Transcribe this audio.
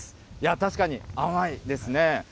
確かに甘いですね。